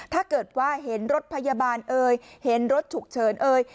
ถ้าเกิดว่าเห็นรถพยาบาลเอ่ยเห็นรถฉุกเฉินเอ่ย